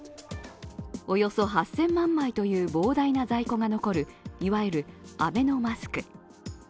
およそ８０００万枚という膨大な在庫が残るいわゆるアベノマスク。